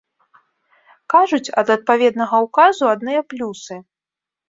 Кажуць, ад адпаведнага ўказу адныя плюсы!